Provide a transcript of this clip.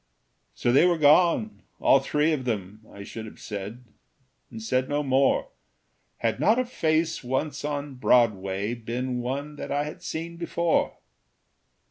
So they were gone all three of them, I should have said, and said no more, Had not a face once on Broadway Been one that I had seen before.